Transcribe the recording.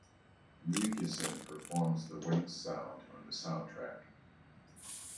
Mugison performs the Waits song on the soundtrack.